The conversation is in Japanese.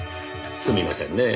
すみませんねえ。